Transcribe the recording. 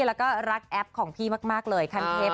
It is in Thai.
และก็รักแอปของพี่มากเลย